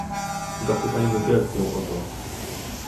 Zapytajmy Grecję o to